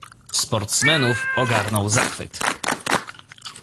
"Sportsmenów ogarnął zachwyt."